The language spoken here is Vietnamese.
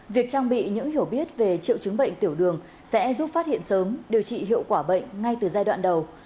việc trang bị những hiểu biết về triệu chứng bệnh tiểu đường sẽ giúp phát hiện sớm điều trị hiệu quả bệnh ngay từ giai đoạn đầu